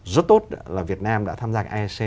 rất tốt là việt nam đã tham gia